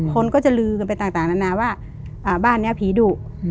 คนก็จะลือกันไปต่างนานาว่าบ้านนี้ผีดุ